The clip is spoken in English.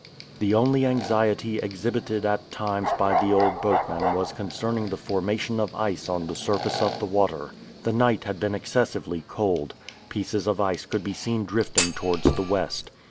The only anxiety exhibited at times by the old boatman was concerning the formation of ice on the surface of the water. The night had been excessively cold; pieces of ice could be seen drifting towards the West.